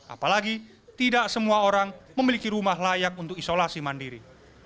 apalagi tidak semua orang memiliki rumah layak untuk isolasi mandiri